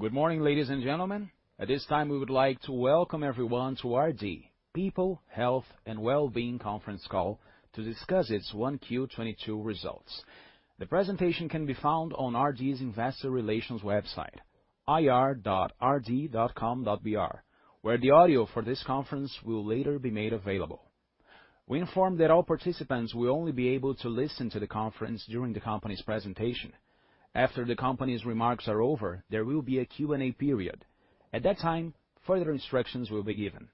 Good morning, ladies and gentlemen. At this time, we would like to welcome everyone to RD People, Health and Wellbeing conference call to discuss its 1Q22 results. The presentation can be found on RD's investor relations website, ri.rd.com.br, where the audio for this conference will later be made available. We inform that all participants will only be able to listen to the conference during the company's presentation. After the company's remarks are over, there will be a Q&A period. At that time, further instructions will be given.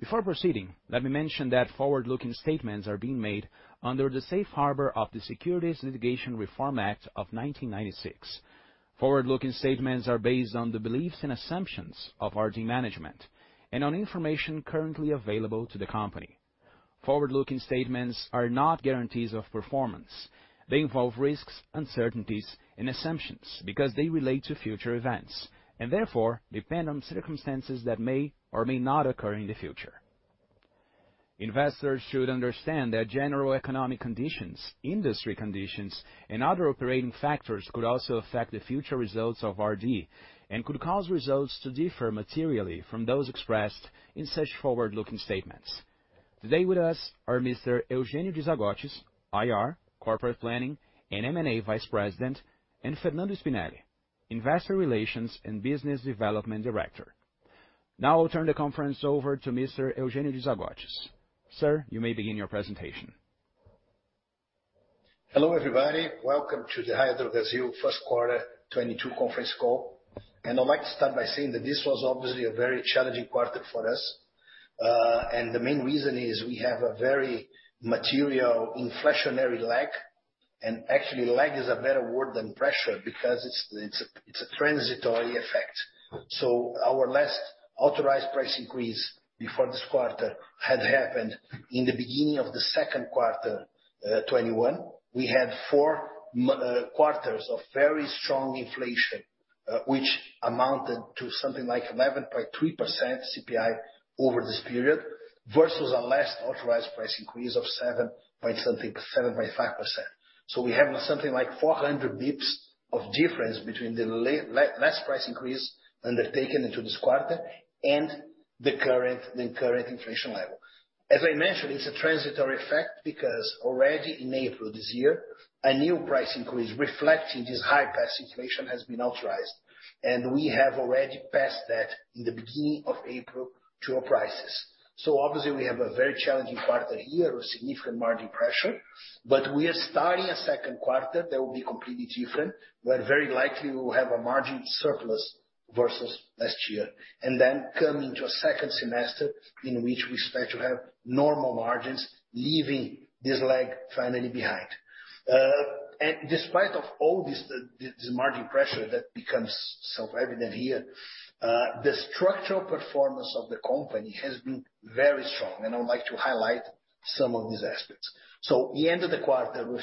Before proceeding, let me mention that forward-looking statements are being made under the safe harbor of the Private Securities Litigation Reform Act of 1995. Forward-looking statements are based on the beliefs and assumptions of RD management and on information currently available to the company. Forward-looking statements are not guarantees of performance. They involve risks, uncertainties, and assumptions because they relate to future events, and therefore depend on circumstances that may or may not occur in the future. Investors should understand that general economic conditions, industry conditions, and other operating factors could also affect the future results of RD and could cause results to differ materially from those expressed in such forward-looking statements. Today with us are Mr. Eugênio De Zagottis, IR, Corporate Planning and M&A Vice President, and Flavio Correia, Investor Relations and Business Development Director. Now I'll turn the conference over to Mr. Eugênio De Zagottis. Sir, you may begin your presentation. Hello, everybody. Welcome to the Raia Drogasil first quarter 2022 conference call. I'd like to start by saying that this was obviously a very challenging quarter for us. The main reason is we have a very material inflationary lag. Actually lag is a better word than pressure because it's a transitory effect. Our last authorized price increase before this quarter had happened in the beginning of the second quarter 2021. We had four quarters of very strong inflation, which amounted to something like 11.3% CPI over this period versus a last authorized price increase of seven point 5%. We have something like 400 basis points of difference between the last price increase undertaken into this quarter and the current inflation level. As I mentioned, it's a transitory effect because already in April this year, a new price increase reflecting this high past inflation has been authorized. We have already passed that in the beginning of April to our prices. Obviously we have a very challenging quarter here with significant margin pressure. We are starting a second quarter that will be completely different. We're very likely we'll have a margin surplus versus last year. Coming to a second semester in which we expect to have normal margins leaving this lag finally behind. Despite of all this margin pressure that becomes self-evident here, the structural performance of the company has been very strong, and I would like to highlight some of these aspects. We ended the quarter with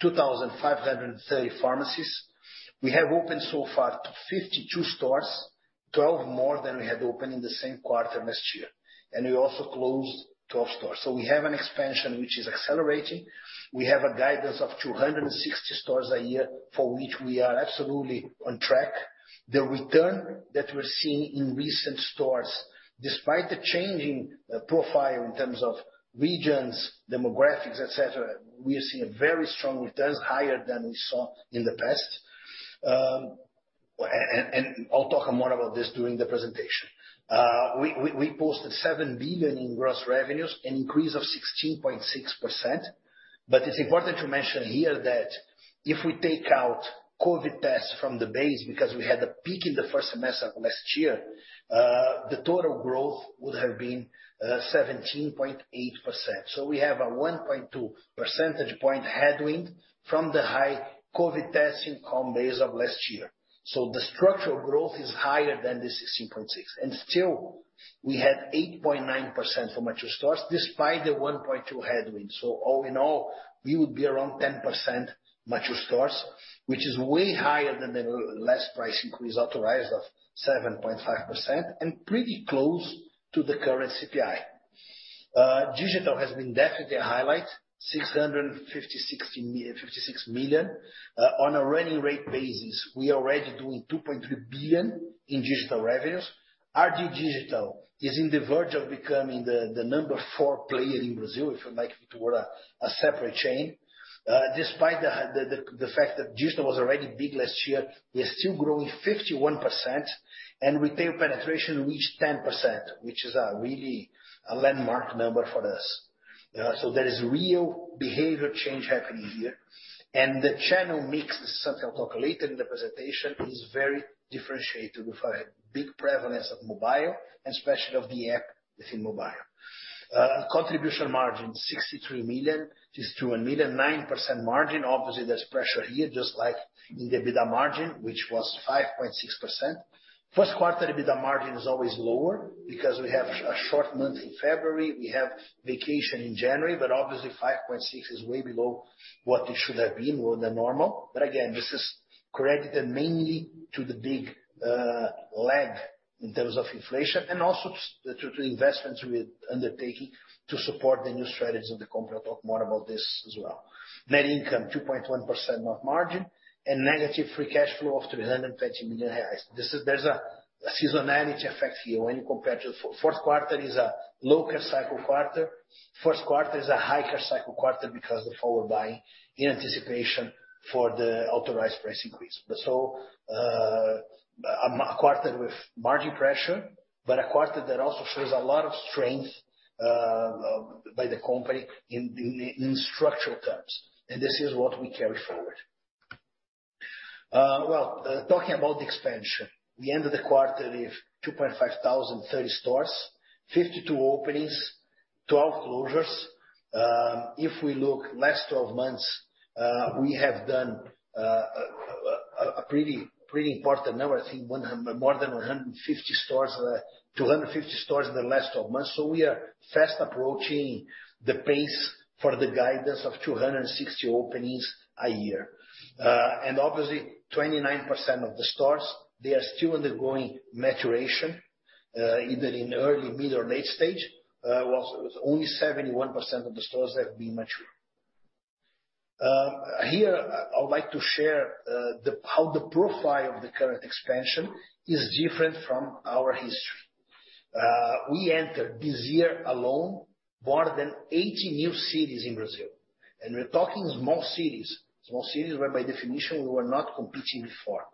2,530 pharmacies. We have opened so far 52 stores, 12 more than we had opened in the same quarter last year. We also closed 12 stores. We have an expansion which is accelerating. We have a guidance of 260 stores a year, for which we are absolutely on track. The return that we're seeing in recent stores, despite the changing profile in terms of regions, demographics, et cetera, we are seeing very strong returns higher than we saw in the past. And I'll talk more about this during the presentation. We posted 7 billion in gross revenues, an increase of 16.6%. It's important to mention here that if we take out COVID tests from the base because we had a peak in the first semester of last year, the total growth would have been 17.8%. We have a 1.2 percentage point headwind from the high COVID testing comp base of last year. The structural growth is higher than the 16.6%. Still, we had 8.9% for mature stores, despite the 1.2 headwind. All in all, we would be around 10% mature stores, which is way higher than the last price increase authorized of 7.5% and pretty close to the current CPI. Digital has been definitely a highlight, 656 million. On a running rate basis, we're already doing 2.3 billion in digital revenues. RD Digital is on the verge of becoming the number four player in Brazil, if you like, as a separate chain. Despite the fact that digital was already big last year, we are still growing 51% and retail penetration reached 10%, which is really a landmark number for us. There is real behavior change happening here. The channel mix, this is something I'll talk later in the presentation, is very differentiated with a big prevalence of mobile and especially of the app within mobile. Contribution margin 63 million is 200 million, 9% margin. Obviously there's pressure here, just like in the EBITDA margin, which was 5.6%. First quarter EBITDA margin is always lower because we have a short month in February. We have vacation in January, but obviously 5.6% is way below what it should have been more than normal. Again, this is credited mainly to the big lag in terms of inflation and also to investments we are undertaking to support the new strategies of the company. I'll talk more about this as well. Net income 2.1% net margin and negative free cash flow of 320 million reais. This is. There's a seasonality effect here when you compare to fourth quarter. It is a lower cycle quarter. First quarter is a high care cycle quarter because the forward buying in anticipation for the authorized price increase. A quarter with margin pressure, but a quarter that also shows a lot of strength by the company in structural terms, and this is what we carry forward. Well, talking about the expansion, we ended the quarter with 2,530 stores, 52 openings, 12 closures. If we look at the last 12 months, we have done a pretty important number. I think more than 150 stores, 250 stores in the last 12 months. We are fast approaching the pace for the guidance of 260 openings a year. Obviously 29% of the stores they are still undergoing maturation, either in early, mid, or late stage, while only 71% of the stores have been mature. Here I would like to share how the profile of the current expansion is different from our history. We entered this year alone, more than 80 new cities in Brazil, and we're talking small cities. Small cities where by definition we were not competing before.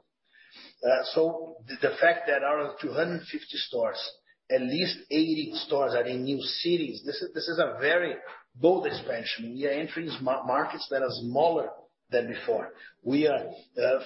So the fact that out of 250 stores, at least 80 stores are in new cities, this is a very bold expansion. We are entering small markets that are smaller than before. We are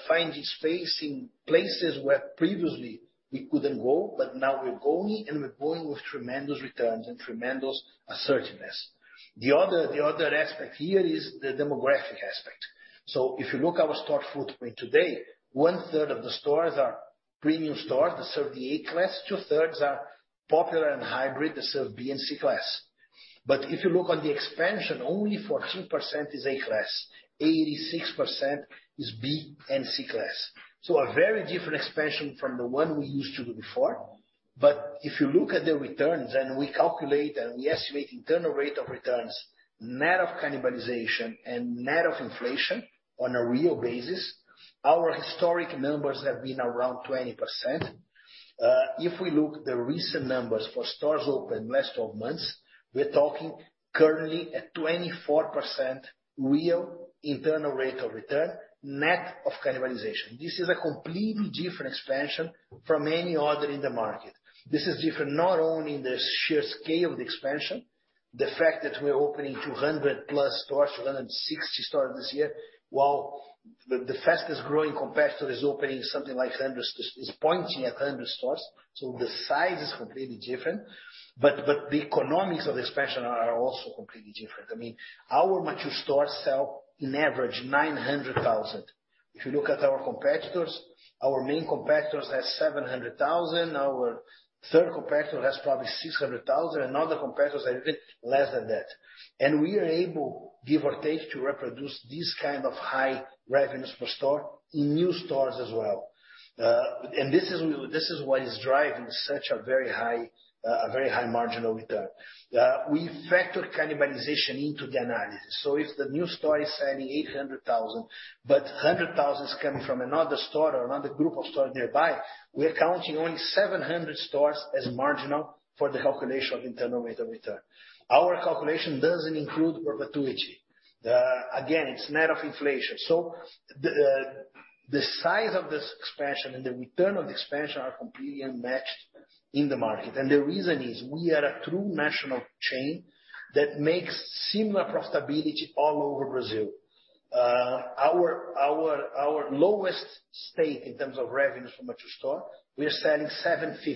finding space in places where previously we couldn't go, but now we're going, and we're going with tremendous returns and tremendous assertiveness. The other aspect here is the demographic aspect. If you look at our store footprint today, 1/3 of the stores are premium stores that serve the A-class, 2/3 are popular and hybrid that serve B and C class. If you look at the expansion, only 14% is A class, 86% is B and C class. A very different expansion from the one we used to do before. If you look at the returns, and we calculate and we estimate internal rate of returns, net of cannibalization and net of inflation on a real basis, our historic numbers have been around 20%. If we look at the recent numbers for stores open last 12 months, we're talking currently at 24% real internal rate of return, net of cannibalization. This is a completely different expansion from any other in the market. This is different not only in the sheer scale of the expansion, the fact that we're opening 200+ stores, 260 stores this year, while the fastest growing competitor is opening something like 100 stores. The size is completely different, but the economics of expansion are also completely different. I mean, our mature stores sell an average 900,000. If you look at our competitors, our main competitors has 700,000. Our third competitor has probably 600,000, and other competitors are even less than that. We are able, give or take, to reproduce this kind of high revenues per store in new stores as well. This is what is driving such a very high marginal return. We factor cannibalization into the analysis. If the new store is selling 800,000, but 100,000 is coming from another store or another group of stores nearby, we are counting only 700 stores as marginal for the calculation of internal rate of return. Our calculation doesn't include perpetuity. Again, it's net of inflation. The size of this expansion and the return of expansion are completely unmatched in the market. The reason is we are a true national chain that makes similar profitability all over Brazil. Our lowest state in terms of revenue from mature store, we are selling 750,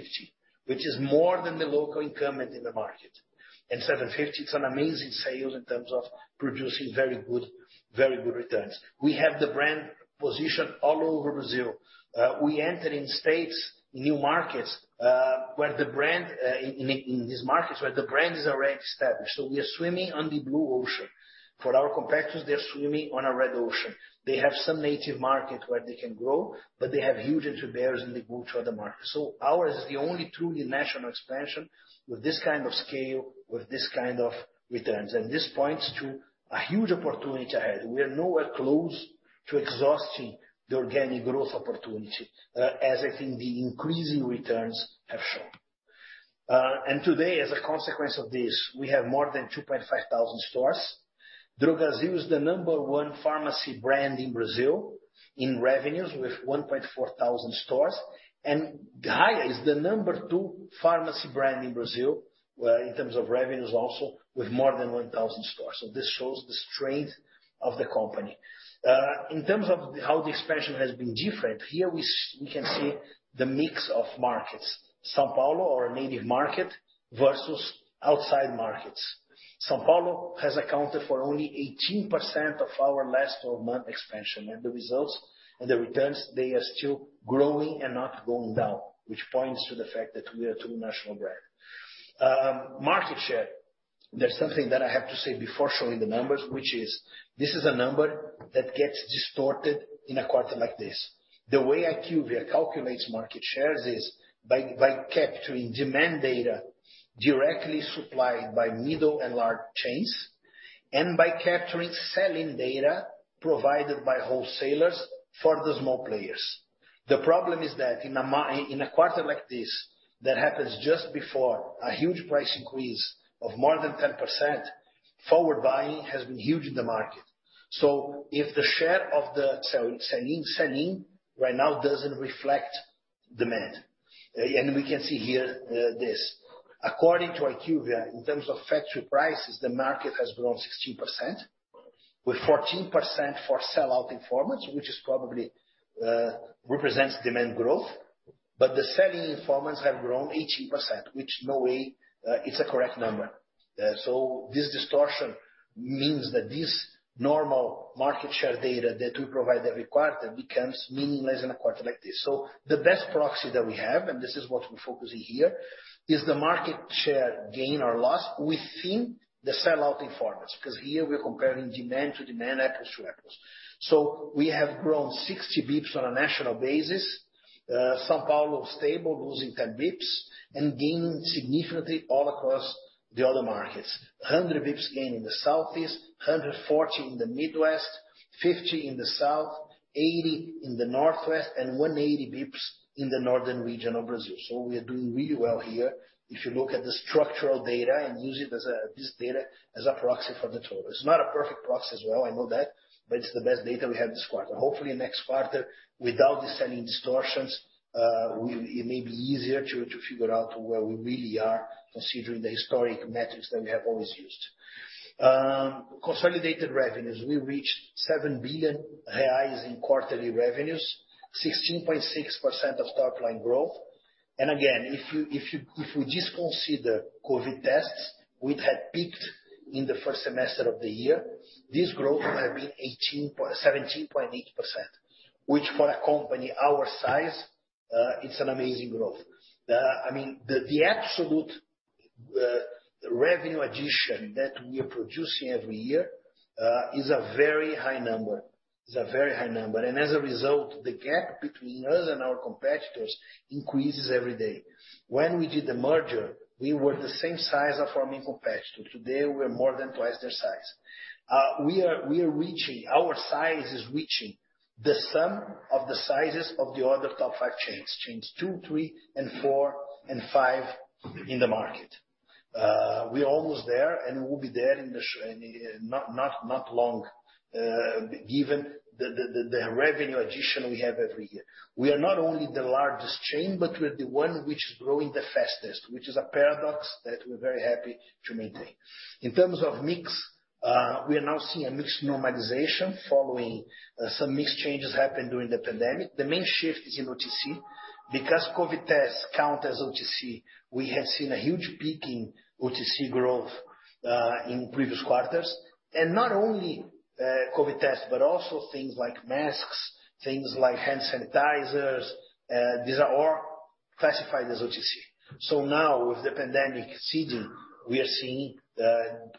which is more than the local incumbent in the market. 750, it's an amazing sales in terms of producing very good returns. We have the brand positioned all over Brazil. We enter new states, new markets where the brand is already established in these markets. We are swimming on the blue ocean. For our competitors, they're swimming on a red ocean. They have some native market where they can grow, but they have huge rivals and they go to other markets. Ours is the only truly national expansion with this kind of scale, with this kind of returns. This points to a huge opportunity ahead. We are nowhere close to exhausting the organic growth opportunity, as I think the increasing returns have shown. Today, as a consequence of this, we have more than 2,500 stores. Drogasil is the number one pharmacy brand in Brazil in revenues with 1,400 stores. Raia is the number two pharmacy brand in Brazil, in terms of revenues also with more than 1,000 stores. This shows the strength of the company. In terms of how the expansion has been different, here we can see the mix of markets. São Paulo or native market versus outside markets. São Paulo has accounted for only 18% of our last 12-month expansion. The results and the returns, they are still growing and not going down, which points to the fact that we are a true national brand. Market share. There's something that I have to say before showing the numbers, which is this is a number that gets distorted in a quarter like this. The way IQVIA calculates market shares is by capturing demand data directly supplied by middle and large chains. By capturing sell-in data provided by wholesalers for the small players. The problem is that in a quarter like this that happens just before a huge price increase of more than 10%, forward buying has been huge in the market. If the share of the sell-in right now doesn't reflect demand. We can see here this. According to IQVIA, in terms of factory prices, the market has grown 16%, with 14% for sell-out information, which probably represents demand growth. The sell-in information has grown 18%, which in no way is a correct number. This distortion means that this normal market share data that we provide every quarter becomes meaningless in a quarter like this. The best proxy that we have, and this is what we're focusing here, is the market share gain or loss within the sell-out information, because here we are comparing demand to demand, apples to apples. We have grown 60 basis points on a national basis, São Paulo stable, losing 10 basis points and gained significantly all across the other markets. 100 basis points gain in the southeast, 140 in the Midwest, 50 in the south, 80 in the Northeast, and 180 basis points in the northern region of Brazil. We are doing really well here. If you look at the structural data and use it as a, this data as a proxy for the total. It's not a perfect proxy as well, I know that, but it's the best data we have this quarter. Hopefully next quarter, without the selling distortions, it may be easier to figure out where we really are considering the historic metrics that we have always used. Consolidated revenues. We reached 7 billion reais in quarterly revenues, 16.6% top line growth. Again, if we just consider COVID tests, which had peaked in the first semester of the year, this growth would have been 17.8%. Which for a company our size, it's an amazing growth. I mean, the absolute revenue addition that we are producing every year is a very high number. As a result, the gap between us and our competitors increases every day. When we did the merger, we were the same size as our main competitor. Today, we're more than twice their size. We are reaching. Our size is reaching the sum of the sizes of the other top five chains, two, three, four, and five in the market. We're almost there, and we'll be there not long, given the revenue addition we have every year. We are not only the largest chain, but we're the one which is growing the fastest, which is a paradox that we're very happy to maintain. In terms of mix, we are now seeing a mix normalization following some mix changes happened during the pandemic. The main shift is in OTC. Because COVID tests count as OTC, we have seen a huge peak in OTC growth in previous quarters. Not only COVID tests, but also things like masks, things like hand sanitizers, these are all classified as OTC. Now with the pandemic receding, we are seeing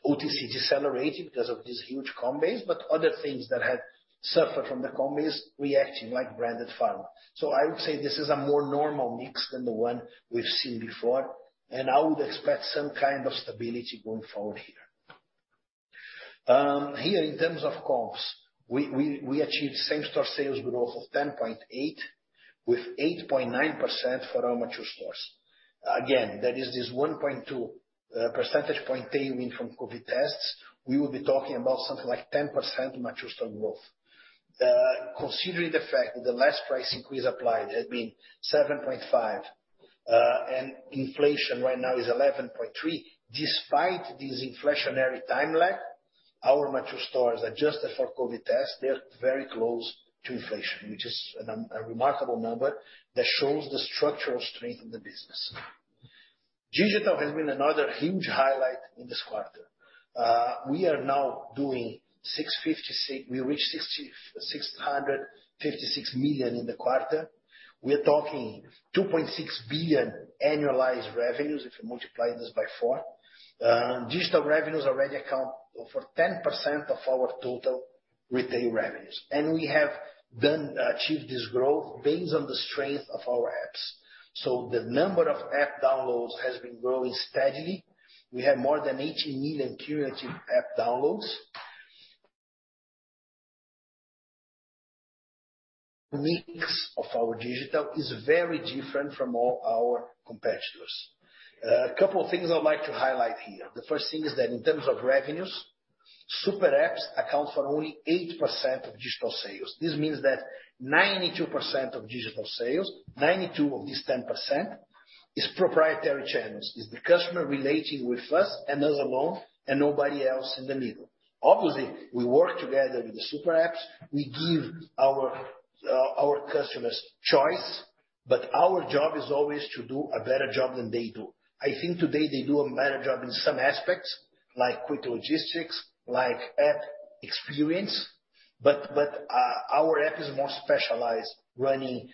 OTC decelerating because of this huge comp base, but other things that have suffered from the comp base reacting like branded pharma. I would say this is a more normal mix than the one we've seen before, and I would expect some kind of stability going forward here. Here in terms of comps, we achieved same store sales growth of 10.8%, with 8.9% for our mature stores. Again, that is this 1.2 percentage point tailwind from COVID tests. We will be talking about something like 10% mature store growth. Considering the fact that the last price increase applied had been 7.5%, and inflation right now is 11.3%, despite this inflationary time lag, our mature stores, adjusted for COVID tests, they're very close to inflation, which is a remarkable number that shows the structural strength of the business. Digital has been another huge highlight in this quarter. We reached 656 million in the quarter. We're talking 2.6 billion annualized revenues, if you multiply this by four. Digital revenues already account for 10% of our total retail revenues. We have achieved this growth based on the strength of our apps. The number of app downloads has been growing steadily. We have more than 80 million cumulative app downloads. Mix of our digital is very different from all our competitors. A couple of things I'd like to highlight here. The first thing is that in terms of revenues, super apps account for only 8% of digital sales. This means that 92% of digital sales, 92% of this 10% is proprietary channels. It's the customer relating with us and us alone, and nobody else in the middle. Obviously, we work together with the super apps. We give our customers choice, but our job is always to do a better job than they do. I think today they do a better job in some aspects, like quick logistics, like app experience, but our app is more specialized running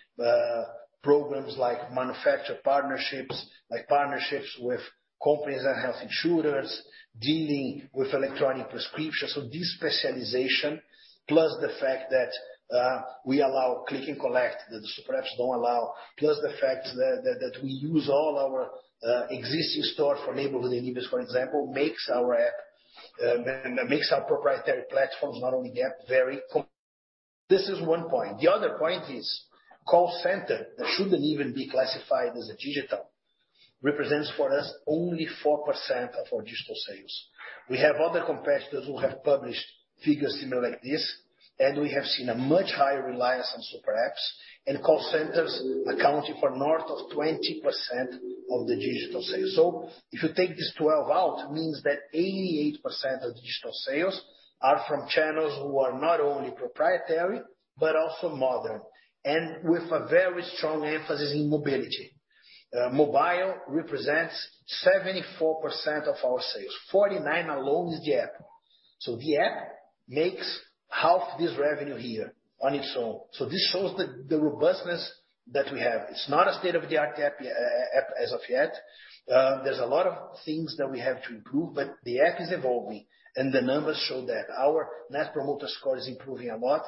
programs like manufacturer partnerships, like partnerships with companies and health insurers, dealing with electronic prescriptions. This specialization, plus the fact that we allow click and collect that the super apps don't allow, plus the fact that we use all our existing stores for neighborhood deliveries, for example, makes our proprietary platforms, not only the app, very competitive. This is one point. The other point is call center that shouldn't even be classified as digital, represents for us only 4% of our digital sales. We have other competitors who have published figures similar like this, and we have seen a much higher reliance on super apps and call centers accounting for north of 20% of the digital sales. If you take this 12% out, means that 88% of digital sales are from channels who are not only proprietary, but also modern, and with a very strong emphasis in mobility. Mobile represents 74% of our sales. 49% alone is the app. The app makes half this revenue here on its own. This shows the robustness that we have. It's not a state-of-the-art app as of yet. There's a lot of things that we have to improve, but the app is evolving and the numbers show that. Our Net Promoter Score is improving a lot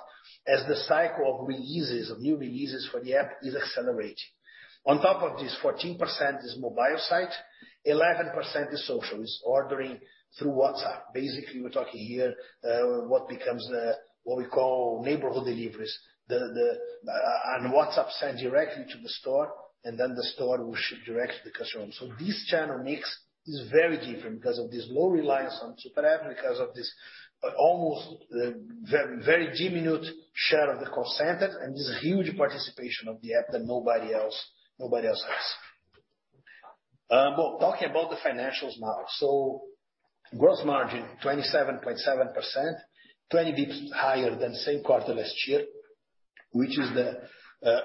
as the cycle of releases, of new releases for the app is accelerating. On top of this, 14% is mobile site, 11% is social. It's ordering through WhatsApp. Basically, we're talking here what we call neighborhood deliveries. On WhatsApp sent directly to the store, and then the store will ship direct to the customer. This channel mix is very different because of this low reliance on super app because of this almost very minute share of the call center and this huge participation of the app that nobody else has. Well, talking about the financials now. Gross margin 27.7%, 20 basis points higher than same quarter last year, which is the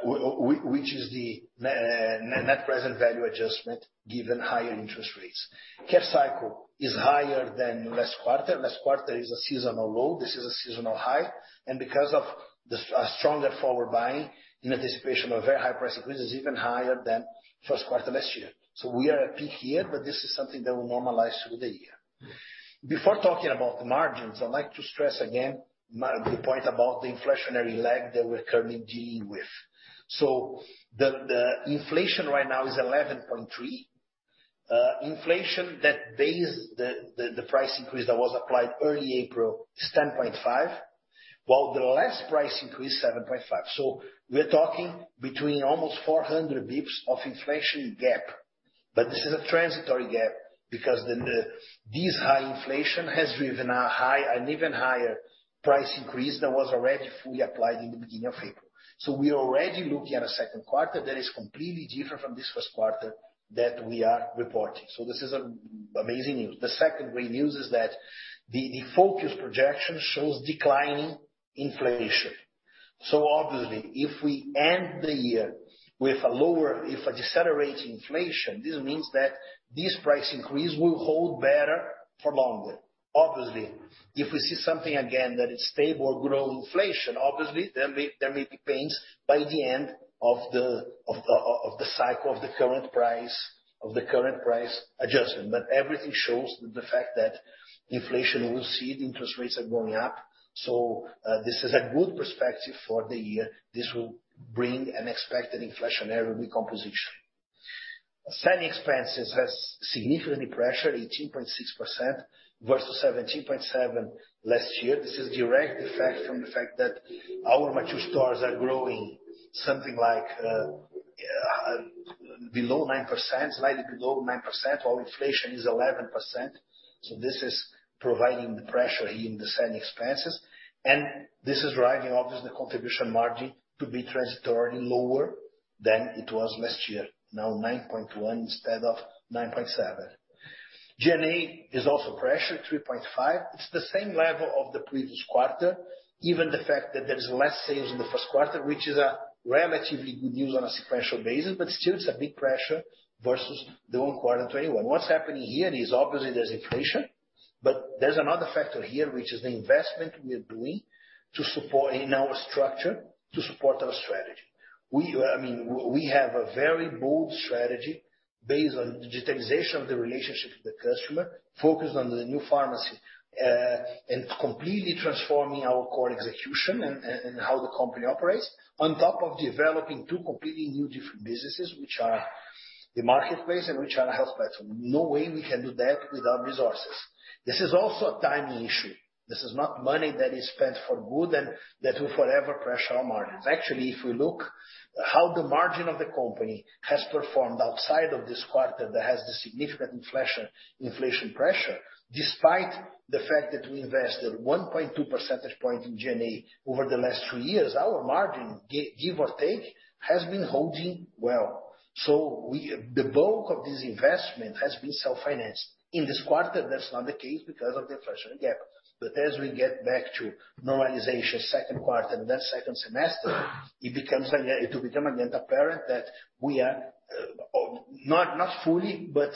which is the net present value adjustment given higher interest rates. Cash cycle is higher than last quarter. Last quarter is a seasonal low, this is a seasonal high and because of this, stronger forward buying in anticipation of very high price increases, even higher than first quarter last year. We are at peak here, but this is something that will normalize through the year. Before talking about the margins, I'd like to stress again the point about the inflationary lag that we're currently dealing with. The inflation right now is 11.3%. The inflation that based the price increase that was applied early April is 10.5%, while the last price increase, 7.5%. We're talking between almost 400 basis points of inflation gap, but this is a transitory gap because this high inflation has driven an even higher price increase that was already fully applied in the beginning of April. We're already looking at a second quarter that is completely different from this first quarter that we are reporting. This is amazing news. The second great news is that the focus projection shows declining inflation. Obviously, if we end the year with a lower, if a decelerating inflation, this means that this price increase will hold better for longer. Obviously, if we see something again that is stable or growing inflation, there may be pains by the end of the cycle of the current price adjustment. Everything shows the fact that inflation will recede, interest rates are going up, this is a good perspective for the year. This will bring an expected inflationary recomposition. Selling expenses has significantly pressured 18.6% versus 17.7% last year. This is direct effect from the fact that our mature stores are growing something like below 9%, slightly below 9%, while inflation is 11%. This is providing the pressure in the selling expenses, and this is driving obviously the contribution margin to be transitory lower than it was last year. Now 9.1% instead of 9.7%. G&A is also pressured, 3.5%. It's the same level of the previous quarter, given the fact that there is less sales in the first quarter, which is a relatively good news on a sequential basis, but still it's a big pressure versus the 1Q 2021. What's happening here is obviously there's inflation, but there's another factor here, which is the investment we are doing to support in our structure to support our strategy. We have a very bold strategy based on digitalization of the relationship with the customer, focused on the new pharmacy, and completely transforming our core execution and how the company operates on top of developing two completely new different businesses, which are the marketplace and which are the Health Platform. No way we can do that without resources. This is also a timing issue. This is not money that is spent for good and that will forever pressure our margins. Actually, if we look how the margin of the company has performed outside of this quarter that has the significant inflation pressure, despite the fact that we invested 1.2 percentage point in G&A over the last three years, our margin, give or take, has been holding well. The bulk of this investment has been self-financed. In this quarter that's not the case because of the inflationary gap. As we get back to normalization second quarter and then second semester, it becomes again, it will become again apparent that we are not fully, but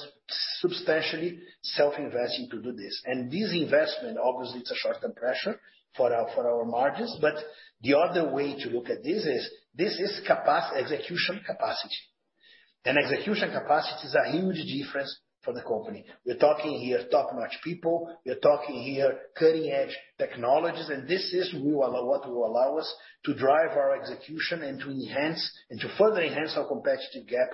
substantially self-investing to do this. This investment, obviously it's a short-term pressure for our margins, but the other way to look at this is, this is execution capacity. Execution capacity is a huge difference for the company. We're talking here top-notch people. We're talking here cutting-edge technologies. This will allow us to drive our execution and to enhance, and to further enhance our competitive gap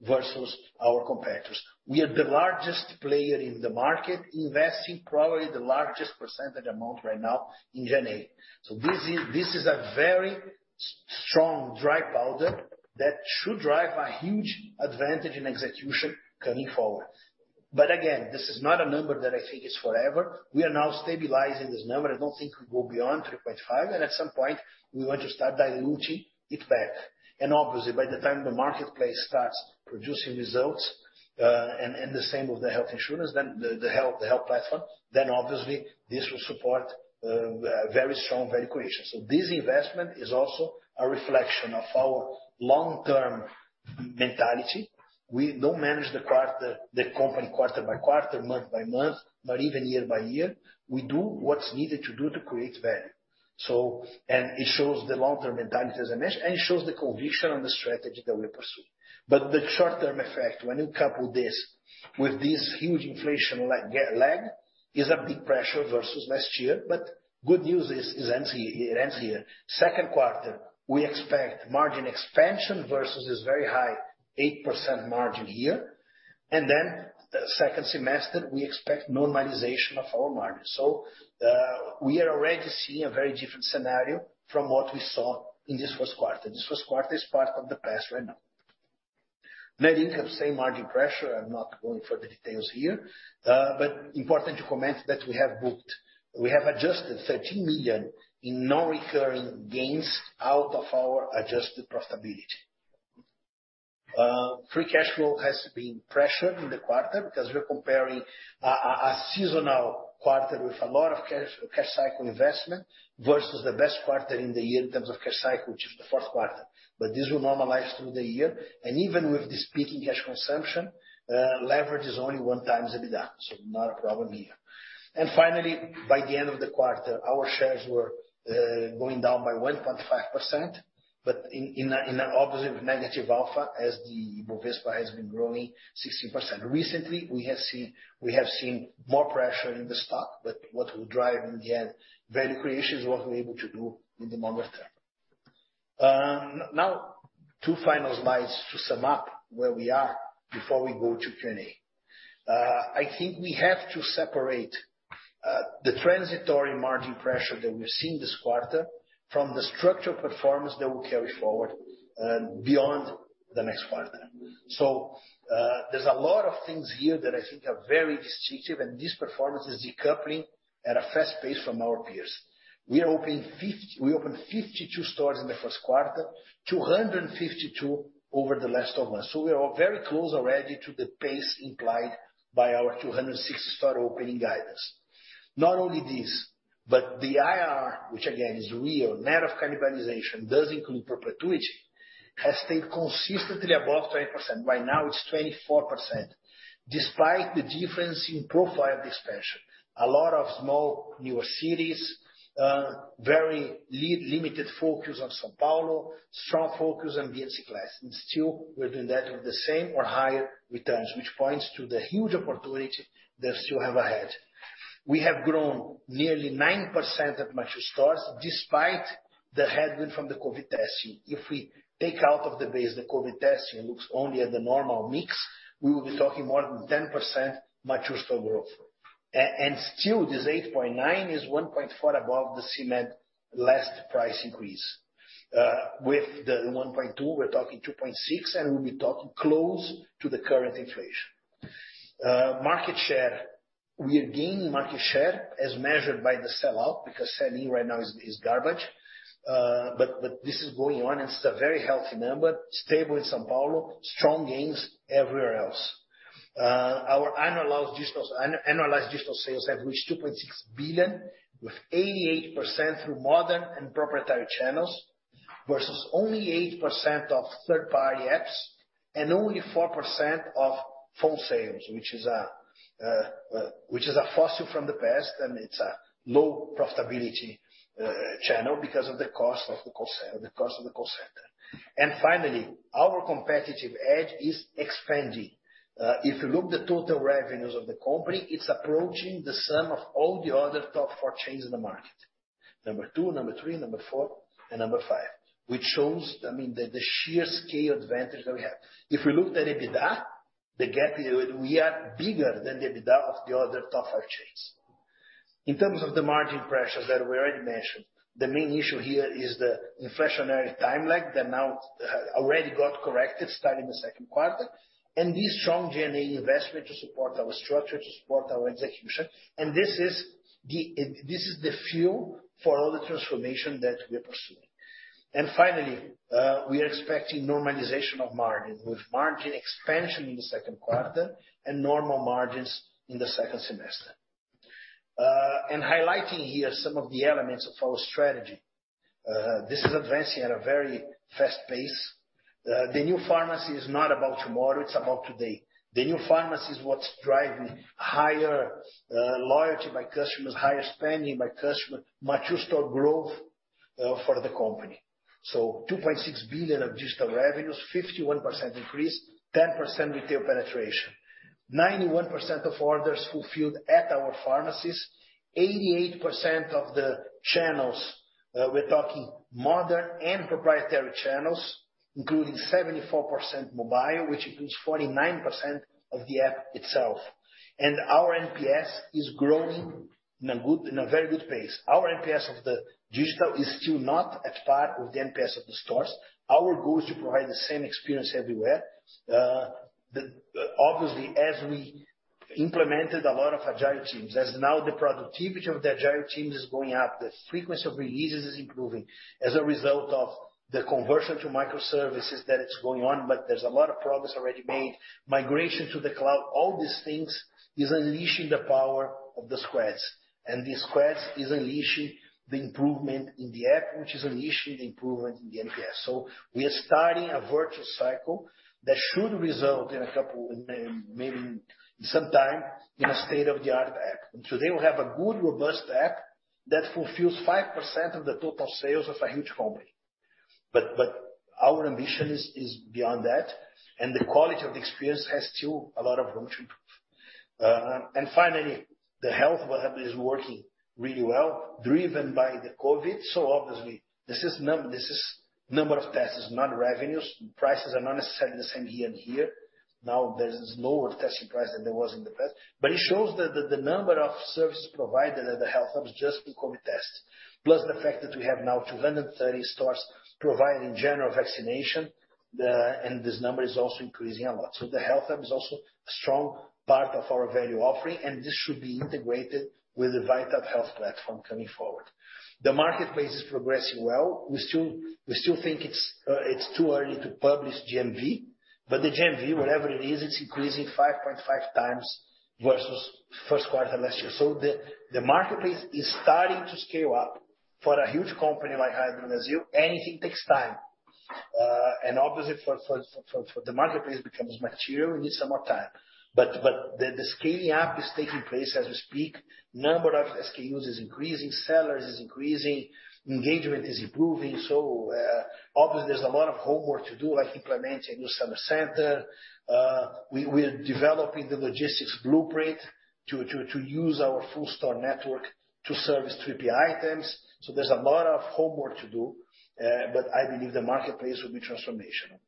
versus our competitors. We are the largest player in the market investing probably the largest percentage amount right now in G&A. This is a very strong dry powder that should drive a huge advantage in execution going forward. Again, this is not a number that I think is forever. We are now stabilizing this number. I don't think we'll go beyond 3.5, and at some point, we want to start diluting it back. Obviously, by the time the marketplace starts producing results, and the same with the health insurance, then the Health Platform, then obviously this will support a very strong value creation. This investment is also a reflection of our long-term mentality. We don't manage the company quarter-by-quarter, month-by-month, but even year-by-year. We do what's needed to do to create value. It shows the long-term mentality as I mentioned, and it shows the conviction on the strategy that we pursue. The short-term effect, when you couple this with this huge inflation lag, is a big pressure versus last year. Good news, it ends here. Second quarter, we expect margin expansion versus this very high 8% margin here. Second semester, we expect normalization of our margin. We are already seeing a very different scenario from what we saw in this first quarter. This first quarter is part of the past right now. Medicines, same margin pressure. I'm not going for the details here. Important to comment that we have adjusted 13 million in non-recurring gains out of our adjusted profitability. Free cash flow has been pressured in the quarter because we're comparing a seasonal quarter with a lot of cash cycle investment versus the best quarter in the year in terms of cash cycle, which is the fourth quarter. This will normalize through the year. Even with this peak in cash consumption, leverage is only 1x EBITDA, so not a problem here. Finally, by the end of the quarter, our shares were going down by 1.5%, but in an opposite negative alpha as the Bovespa has been growing 16%. Recently, we have seen more pressure in the stock, but what will drive in the end value creation is what we're able to do in the longer term. Now two final slides to sum up where we are before we go to Q&A. I think we have to separate the transitory margin pressure that we're seeing this quarter from the structural performance that will carry forward beyond the next quarter. There's a lot of things here that I think are very distinctive, and this performance is decoupling at a fast pace from our peers. We opened 52 stores in the first quarter, 252 over the last 12 months. We are very close already to the pace implied by our 260 store opening guidance. Not only this, but the IRR, which again is real, net of cannibalization, does include perpetuity, has stayed consistently above 20%. Right now it's 24%. Despite the difference in profile of expansion, a lot of small newer cities, very limited focus on São Paulo, strong focus on B and C class. Still we're doing that with the same or higher returns, which points to the huge opportunity that still have ahead. We have grown nearly 9% at mature stores despite the headwind from the COVID testing. If we take out of the base the COVID testing and looks only at the normal mix, we will be talking more than 10% mature store growth. Still this 8.9 is 1.4 above the recent last price increase. With the 1.2, we're talking 2.6, and we'll be talking close to the current inflation. Market share. We are gaining market share as measured by the sell out, because sell-in right now is garbage. This is going on and it's a very healthy number. Stable in São Paulo, strong gains everywhere else. Our annualized digital sales have reached 2.6 billion with 88% through modern and proprietary channels versus only 8% of third-party apps and only 4% of phone sales, which is a fossil from the past, and it's a low profitability channel because of the cost of the call center. Finally, our competitive edge is expanding. If you look at the total revenues of the company, it's approaching the sum of all the other top four chains in the market. Number two, number three, number four, and number five, which shows, I mean, the sheer scale advantage that we have. If we look at EBITDA, the gap, we are bigger than the EBITDA of the other top five chains. In terms of the margin pressures that we already mentioned, the main issue here is the inflationary time lag that now already got corrected starting the second quarter, and this strong G&A investment to support our structure, to support our execution. This is the fuel for all the transformation that we are pursuing. Finally, we are expecting normalization of margin, with margin expansion in the second quarter and normal margins in the second semester. Highlighting here some of the elements of our strategy. This is advancing at a very fast pace. The new pharmacy is not about tomorrow, it's about today. The new pharmacy is what's driving higher loyalty by customers, higher spending by customers, mature store growth for the company. 2.6 billion of digital revenues, 51% increase, 10% retail penetration. 91% of orders fulfilled at our pharmacies. 88% of the channels, we're talking modern and proprietary channels. Including 74% mobile, which includes 49% of the app itself. Our NPS is growing in a very good pace. Our NPS of the digital is still not at par with the NPS of the stores. Our goal is to provide the same experience everywhere. Obviously, as we implemented a lot of agile teams, now the productivity of the agile teams is going up, the frequency of releases is improving as a result of the conversion to microservices that is going on, but there's a lot of progress already made. Migration to the cloud, all these things is unleashing the power of the squads, and the squads is unleashing the improvement in the app, which is unleashing the improvement in the NPS. We are starting a virtuous cycle that should result in a couple of maybe sometime in a state-of-the-art app. Today, we have a good, robust app that fulfills 5% of the total sales of a huge company. Our ambition is beyond that, and the quality of the experience has still a lot of room to improve. Finally, the Health Hub is working really well, driven by the COVID. Obviously, this is number of tests, not revenues. Prices are not necessarily the same year-over-year. Now there's lower testing price than there was in the past, but it shows that the number of services provided at the Health Hub isn't just in COVID tests. Plus the fact that we have now 230 stores providing general vaccination, and this number is also increasing a lot. The Health Hub is also a strong part of our value offering, and this should be integrated with the Vitat Health Platform going forward. The marketplace is progressing well. We still think it's too early to publish GMV, but the GMV, whatever it is, it's increasing 5.5x versus first quarter last year. The marketplace is starting to scale up. For a huge company like Raia Drogasil, anything takes time. Obviously, for the marketplace to become material, it needs some more time. The scaling up is taking place as we speak. Number of SKUs is increasing, sellers is increasing, engagement is improving. Obviously, there's a lot of homework to do, like implementing new Seller Center. We are developing the logistics blueprint to use our full store network to service 3P items. There's a lot of homework to do, but I believe the marketplace will be transformational.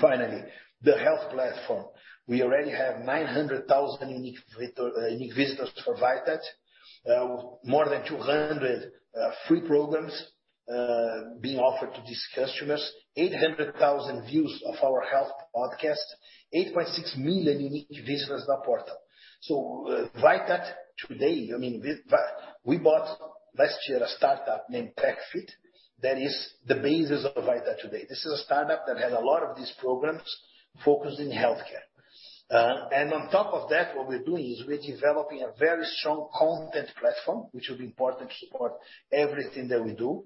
Finally, the health platform. We already have 900,000 unique visitors for Vitat. More than 200 free programs being offered to these customers. 800,000 views of our health podcast. 8.6 million unique visitors in the portal. Vita today, I mean, we bought last year a startup named tech.fit that is the basis of Vitat today. This is a startup that had a lot of these programs focused in healthcare and on top of that, what we're doing is we're developing a very strong content platform, which will be important to support everything that we do.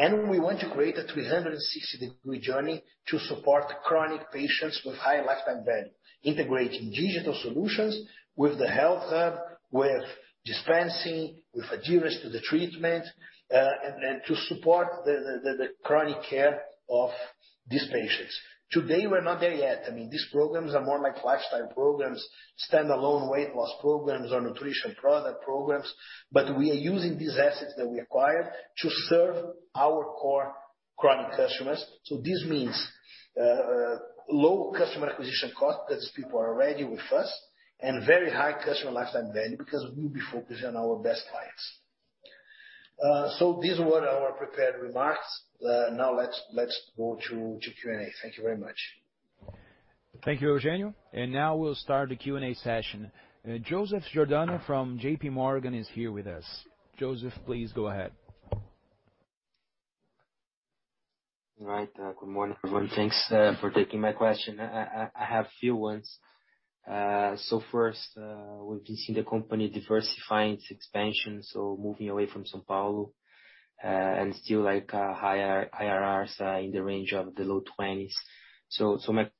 We want to create a 360-degree journey to support chronic patients with high lifetime value, integrating digital solutions with the Health Hub, with dispensing, with adherence to the treatment, and to support the chronic care of these patients. Today, we're not there yet. I mean, these programs are more like lifestyle programs, standalone weight loss programs or nutrition product programs. We are using these assets that we acquired to serve our core chronic customers. This means low customer acquisition cost, because people are already with us, and very high customer lifetime value, because we'll be focusing on our best clients. These were our prepared remarks. Now let's go to Q&A. Thank you very much. Thank you, Eugênio. Now we'll start the Q&A session. Joseph Giordano from JP Morgan is here with us. Joseph, please go ahead. All right, good morning, everyone. Thanks for taking my question. I have a few questions. First, we've been seeing the company diversifying its expansion, so moving away from São Paulo and still like higher IRRs in the range of the low 20s. My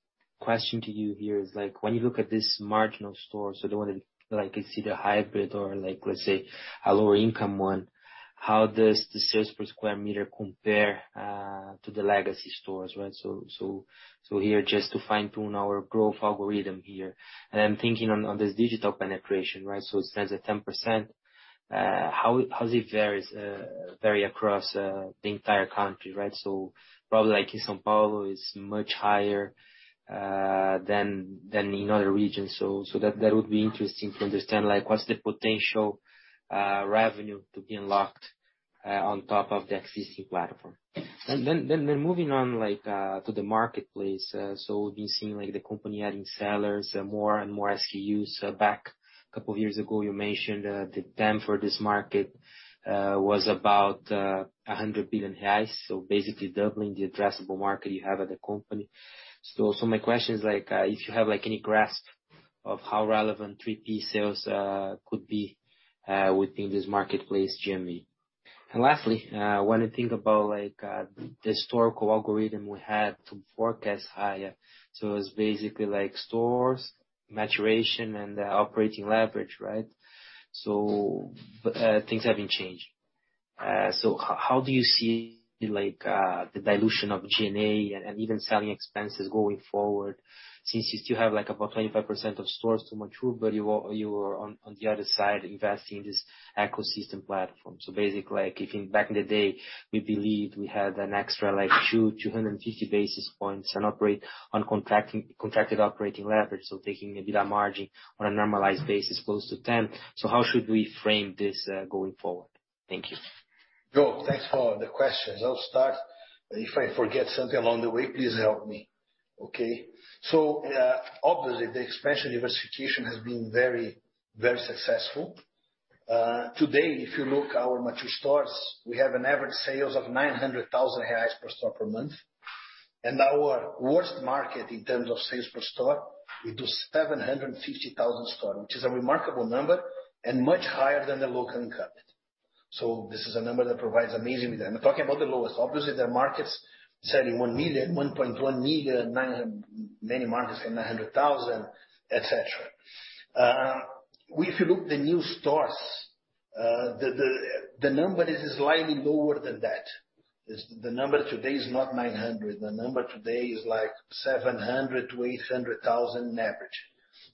question to you here is, like, when you look at this marginal stores, so the one that, like, is either hybrid or, like, let's say a lower income one, how does the sales per square meter compare to the legacy stores, right? Here just to fine-tune our growth algorithm here. I'm thinking on this digital penetration, right? It says at 10%, how it varies across the entire country, right? Probably like in São Paulo, it's much higher than in other regions. That would be interesting to understand like what's the potential revenue to be unlocked on top of the existing platform. Moving on like to the marketplace. We've been seeing like the company adding sellers and more and more SKUs. Back a couple of years ago, you mentioned the TAM for this market was about 100 billion reais, so basically doubling the addressable market you have at the company. My question is like if you have like any grasp of how relevant 3P sales could be within this marketplace GMV. Last, when I think about, like, the historical algorithm we had to forecast higher, so it's basically like store maturation and operating leverage, right? Things have been changing. How do you see, like, the dilution of G&A and even selling expenses going forward since you still have, like, about 25% of stores to mature, but you are on the other side investing in this ecosystem platform. Basically, like, if back in the day, we believed we had an extra like 250 basis points of contracted operating leverage, taking EBITDA margin on a normalized basis close to 10%. How should we frame this going forward? Thank you. Joseph, thanks for the questions. I'll start. If I forget something along the way, please help me, okay? Obviously, the expansion diversification has been very, very successful. Today, if you look our mature stores, we have an average sales of 900,000 reais per store per month. Our worst market in terms of sales per store, we do 750,000 per store, which is a remarkable number and much higher than the local incumbent. This is a number that provides amazing return. I'm talking about the lowest. Obviously, there are markets selling 1 million, 1.1 million, many markets from 900,000, et cetera. If you look the new stores, the number is slightly lower than that. The number today is not 900. The number today is like 700,000- 800,000 average.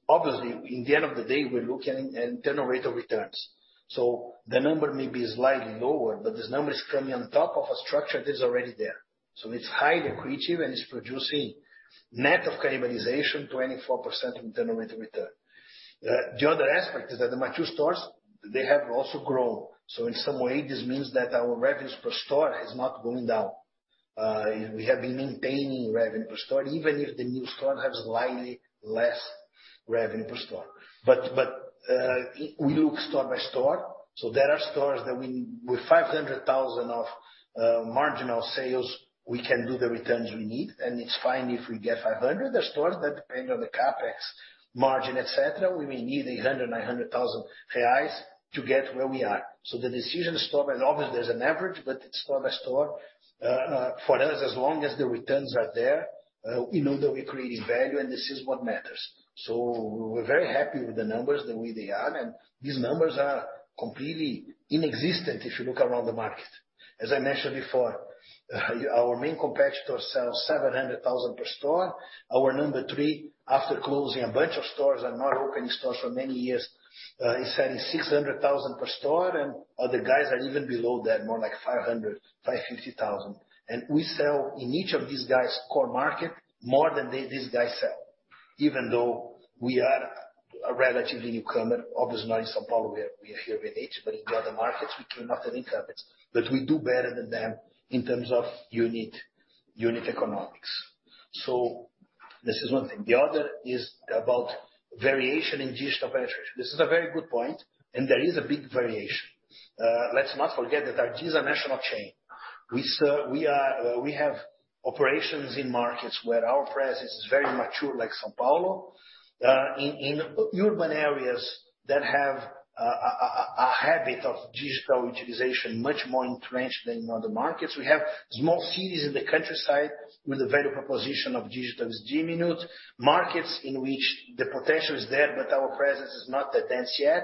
Obviously, in the end of the day, we're looking at internal rate of returns. The number may be slightly lower, but this number is coming on top of a structure that is already there. It's highly accretive, and it's producing net of cannibalization, 24% internal rate of return. The other aspect is that the mature stores, they have also grown. In some way, this means that our revenues per store is not going down. We have been maintaining revenue per store, even if the new store has slightly less revenue per store. But we look store by store, so there are stores that with 500,000 of marginal sales, we can do the returns we need, and it's fine if we get 500,000. There are stores that depend on the CapEx margin, et cetera. We may need 800,000-900,000 reais to get where we are. The decision store, and obviously there's an average, but it's store by store. For us, as long as the returns are there, we know that we're creating value, and this is what matters. We're very happy with the numbers the way they are, and these numbers are completely inexistent if you look around the market. As I mentioned before, our main competitor sells 700,000 per store. Our number three, after closing a bunch of stores and not opening stores for many years, is selling 600,000 per store. Other guys are even below that, more like 500,000-550,000. We sell in each of these guys' core market more than these guys sell. Even though we are a relatively newcomer, obviously not in São Paulo, we are here with Raia, but in the other markets, we came after the incumbents. We do better than them in terms of unit economics. This is one thing. The other is about variation in digital penetration. This is a very good point, and there is a big variation. Let's not forget that our RD is a national chain. We have operations in markets where our presence is very mature, like São Paulo, in urban areas that have a habit of digital utilization much more entrenched than in other markets. We have small cities in the countryside where the value proposition of digital is diminished, markets in which the potential is there, but our presence is not that dense yet.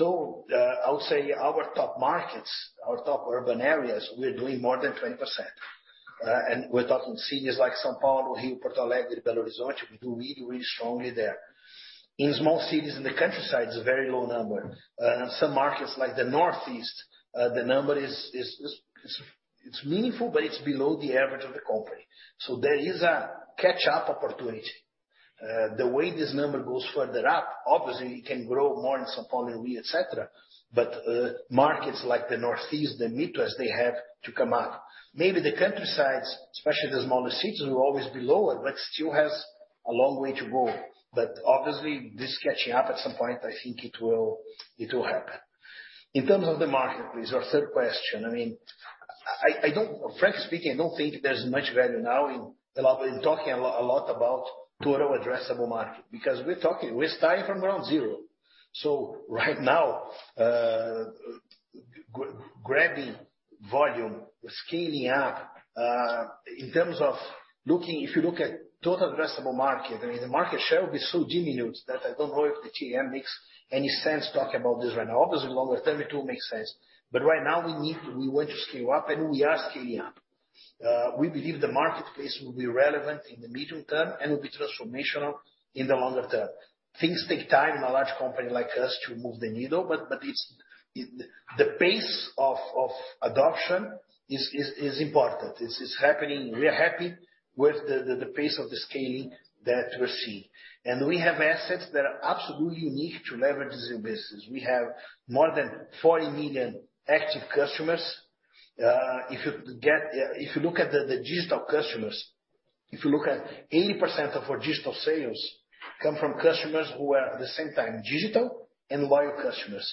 I would say our top markets, our top urban areas, we're doing more than 20%. We're talking cities like São Paulo, Rio, Porto Alegre, Belo Horizonte. We do really strongly there. In small cities in the countryside, it's a very low number. Some markets like the Northeast, the number is meaningful, but it's below the average of the company. There is a catch-up opportunity. The way this number goes further up, obviously it can grow more in São Paulo, Rio, et cetera, but markets like the Northeast and Midwest, they have to come up. Maybe the countrysides, especially the smaller cities, will always be lower, but still has a long way to go. Obviously, this catching up at some point, I think it will happen. In terms of the marketplace, your third question, I mean, frankly speaking, I don't think there's much value now in talking a lot about total addressable market because we're starting from ground zero. Right now, grabbing volume, scaling up, if you look at total addressable market, I mean, the market share will be so diminished that I don't know if the TAM makes any sense talking about this right now. Obviously, longer term it will make sense. Right now we want to scale up, and we are scaling up. We believe the marketplace will be relevant in the medium term and will be transformational in the longer term. Things take time in a large company like us to move the needle, but it's. The pace of adoption is important. This is happening. We are happy with the pace of the scaling that we're seeing. We have assets that are absolutely unique to leverage this new business. We have more than 40 million active customers. If you look at the digital customers, if you look at 80% of our digital sales come from customers who are at the same time digital and loyal customers.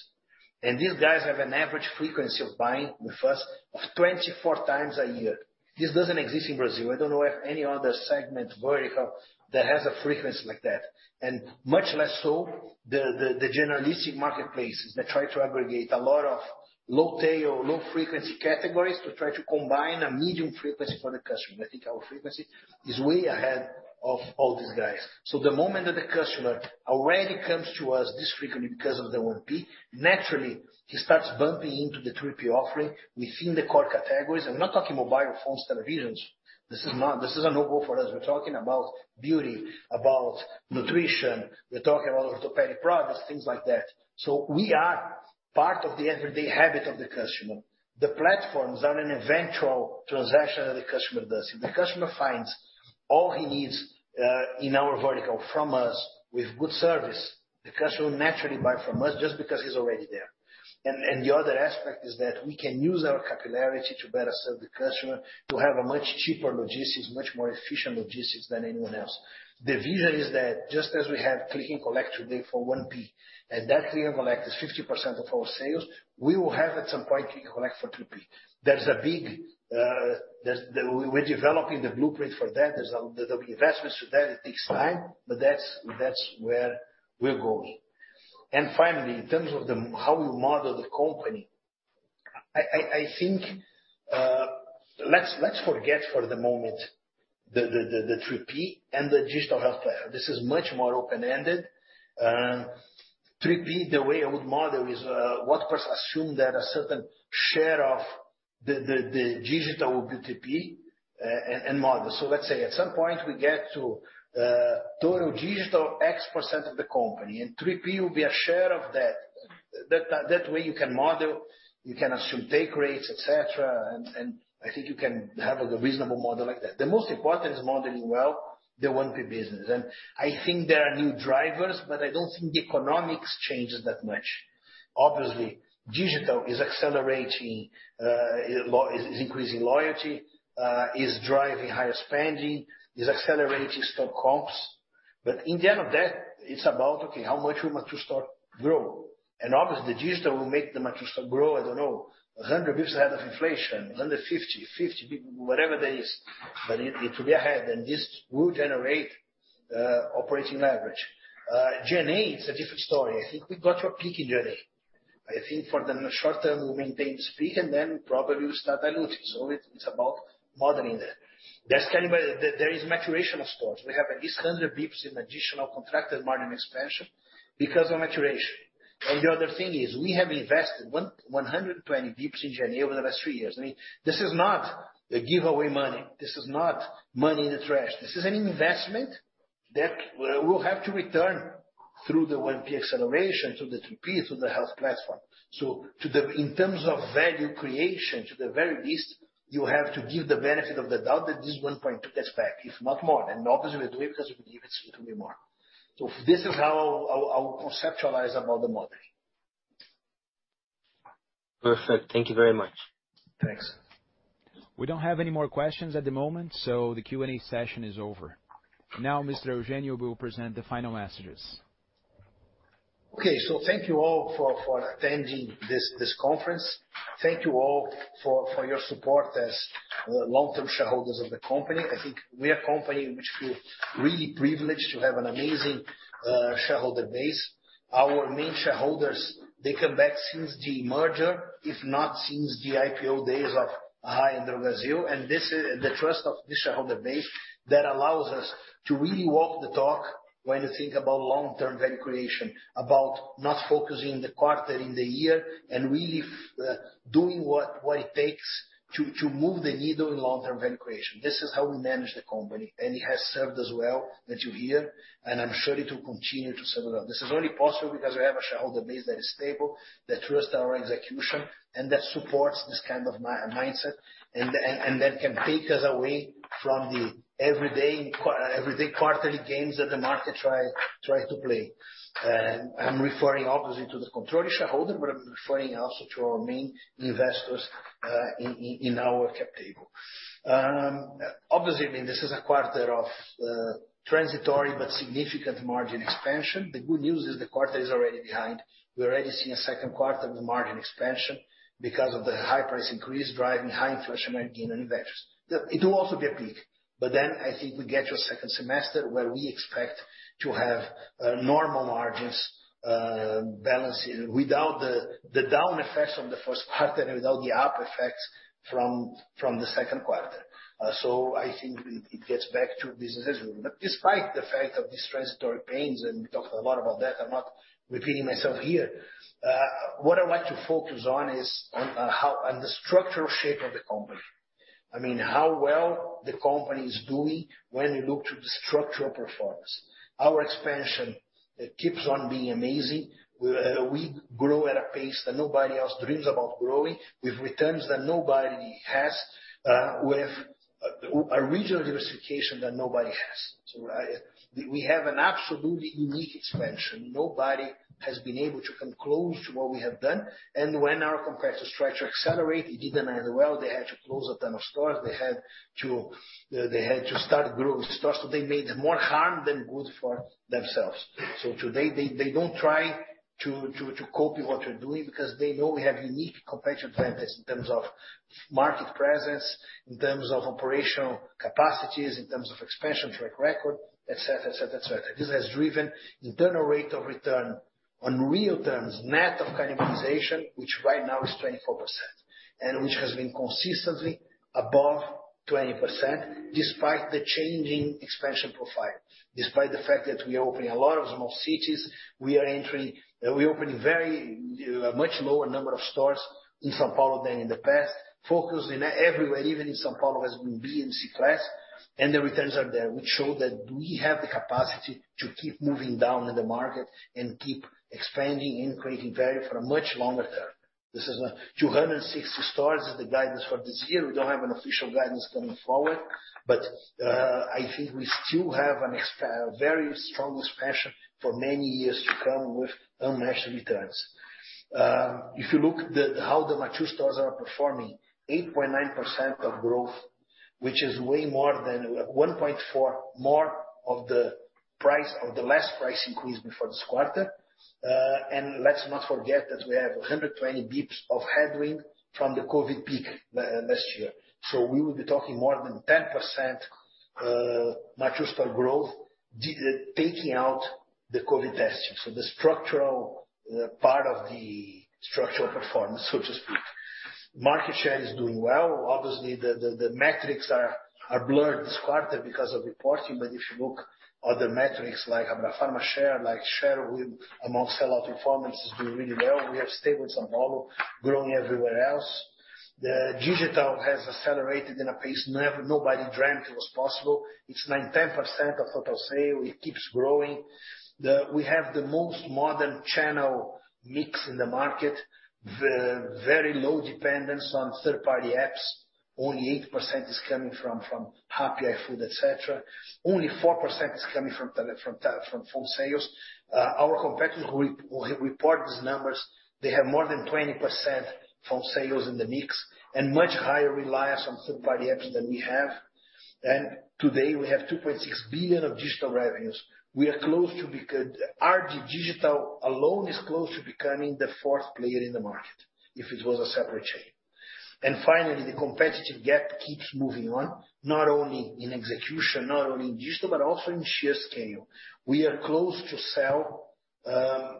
These guys have an average frequency of buying with us of 24x a year. This doesn't exist in Brazil. I don't know if any other segment vertical that has a frequency like that. Much less so the generalistic marketplaces that try to aggregate a lot of long tail, low frequency categories to try to combine a medium frequency for the customer. I think our frequency is way ahead of all these guys. The moment that the customer already comes to us this frequently because of the 1P, naturally, he starts bumping into the 3P offering within the core categories. I'm not talking mobile phones, televisions. This is a no-go for us. We're talking about beauty, about nutrition. We're talking about orthopedic products, things like that. We are part of the everyday habit of the customer. The platforms are an eventual transaction that the customer does. If the customer finds all he needs in our vertical from us with good service, the customer will naturally buy from us just because he's already there. The other aspect is that we can use our popularity to better serve the customer, to have a much cheaper logistics, much more efficient logistics than anyone else. The vision is that just as we have click and collect today for 1P, and that click and collect is 50% of our sales, we will have at some point click and collect for 3P. We're developing the blueprint for that. The investments to that, it takes time, but that's where we're going. Finally, in terms of how we model the company, I think let's forget for the moment the 3P and the digital health player. This is much more open-ended. 3P, the way I would model is one can assume that a certain share of the digital will be 3P, and model. So let's say at some point we get to total digital X% of the company, and 3P will be a share of that. That way you can model, you can assume take rates, et cetera, and I think you can have a reasonable model like that. The most important is modeling well the 1P business. I think there are new drivers, but I don't think the economics changes that much. Obviously, digital is accelerating, is increasing loyalty, is driving higher spending, is accelerating stock comps. In the end of that, it's about, okay, how much will mature stock grow? Obviously, the digital will make the mature stock grow, I don't know, 100 basis points ahead of inflation, 150, 50, whatever that is. It will be ahead, and this will generate operating leverage. G&A is a different story. I think we got to a peak in G&A. I think for the short term, we'll maintain this peak and then probably we'll start diluting. It is about modeling that. There is maturation of stores. We have at least 100 basis points in additional contracted margin expansion because of maturation. The other thing is, we have invested 120 basis points in G&A over the last three years. I mean, this is not a giveaway money. This is not money in the trash. This is an investment that will have to return through the 1P acceleration, through the 3P, through the health platform. In terms of value creation, at the very least, you have to give the benefit of the doubt that this is 1.2 gets back, if not more. Obviously, we're doing it because we believe it's going to be more. This is how I'll conceptualize about the modeling. Perfect. Thank you very much. Thanks. We don't have any more questions at the moment, so the Q&A session is over. Now, Mr. Eugenio De Zagottis will present the final messages. Okay. Thank you all for attending this conference. Thank you all for your support as long-term shareholders of the company. I think we're a company which feel really privileged to have an amazing shareholder base. Our main shareholders, they come back since the merger, if not since the IPO days of Raia and Drogasil. This is the trust of this shareholder base that allows us to really walk the talk when you think about long-term value creation, about not focusing the quarter in the year and really doing what it takes to move the needle in long-term value creation. This is how we manage the company, and it has served us well that you're here, and I'm sure it will continue to serve us well. This is only possible because we have a shareholder base that is stable, that trusts our execution, and that supports this kind of mindset and that can take us away from the everyday quarterly games that the market tries to play. I'm referring obviously to the controlling shareholder, but I'm referring also to our main investors in our cap table. Obviously, I mean, this is a quarter of transitory but significant margin expansion. The good news is the quarter is already behind. We're already seeing a second quarter of the margin expansion because of the high price increase driving high inflation in investors. It will also be a peak, but then I think we get to a second semester where we expect to have normal margins, balances without the down effects from the first quarter, without the up effects from the second quarter. I think it gets back to businesses. Despite the fact of these transitory pains, and we've talked a lot about that, I'm not repeating myself here, what I want to focus on is on the structural shape of the company. I mean, how well the company is doing when you look to the structural performance. Our expansion, it keeps on being amazing. We grow at a pace that nobody else dreams about growing, with returns that nobody has, with a regional diversification that nobody has. We have an absolutely unique expansion. Nobody has been able to come close to what we have done. When our competitors try to accelerate, it didn't end well. They had to close a ton of stores. They had to start growing stores. They made more harm than good for themselves. Today they don't try to copy what we're doing because they know we have unique competitive advantage in terms of market presence, in terms of operational capacities, in terms of expansion track record, et cetera. This has driven internal rate of return on real terms, net of cannibalization, which right now is 24%, and which has been consistently above 20% despite the changing expansion profile, despite the fact that we are opening a lot of small cities, we are entering. We're opening very much lower number of stores in São Paulo than in the past. Focused in everywhere, even in São Paulo has been B and C class, and the returns are there, which show that we have the capacity to keep moving down in the market and keep expanding and creating value for a much longer term. This is 260 stores is the guidance for this year. We don't have an official guidance coming forward, but I think we still have a very strong expansion for many years to come with unmatched returns. If you look the, how the mature stores are performing, 8.9% of growth, which is way more than 1.4 more of the price of the last price increase before this quarter. Let's not forget that we have 120 basis points of headwind from the COVID peak last year. We will be talking more than 10% mature store growth taking out the COVID testing. The structural part of the structural performance, so to speak. Market share is doing well. Obviously, the metrics are blurred this quarter because of reporting, but if you look at other metrics like Abrafarma share, like share among sell out performance is doing really well. We have stable São Paulo, growing everywhere else. The digital has accelerated in a pace nobody dreamt it was possible. It's 9%-10% of total sale. It keeps growing. We have the most modern channel mix in the market. The very low dependence on third-party apps. Only 8% is coming from Rappi, iFood, et cetera. Only 4% is coming from phone sales. Our competitors who report these numbers, they have more than 20% phone sales in the mix, and much higher reliance on third-party apps than we have. Today, we have 2.6 billion of digital revenues. We are close to become. Our digital alone is close to becoming the fourth player in the market if it was a separate chain. Finally, the competitive gap keeps moving on, not only in execution, not only in digital, but also in sheer scale. We are close to sell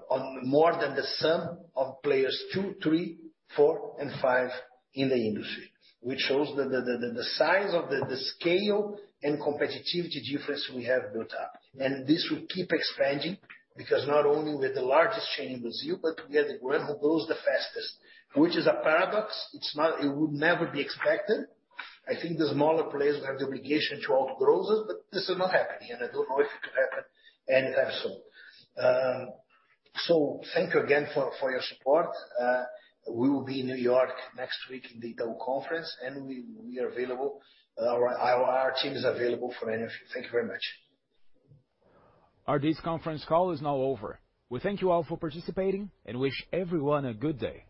on more than the sum of players two, three, four and five in the industry, which shows the size of the scale and competitive difference we have built up. This will keep expanding because not only we're the largest chain in Brazil, but we are the one who grows the fastest, which is a paradox. It's not. It would never be expected. I think the smaller players have the obligation to outgrow us, but this is not happening, and I don't know if it could happen anytime soon. Thank you again for your support. We will be in New York next week in the Dow conference, and we are available. Our team is available for any of you. Thank you very much. This conference call is now over. We thank you all for participating and wish everyone a good day.